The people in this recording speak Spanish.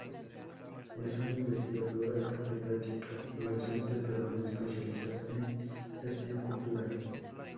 Es una investigadora, catedrática y docente peruana especializada en gestión cultural.